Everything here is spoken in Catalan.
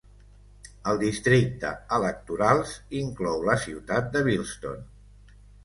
El districte electorals inclou la ciutat de Bilston.